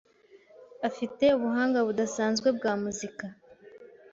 Afite ubuhanga budasanzwe bwa muzika.